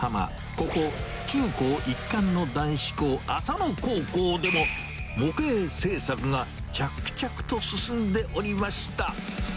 ここ、中高一貫の男子校、浅野高校でも、模型制作が着々と進んでおりました。